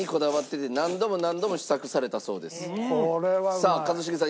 さあ一茂さん